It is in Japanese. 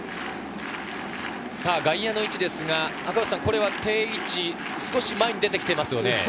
外野の位置ですが、定位置、少し前に出て来ていますね。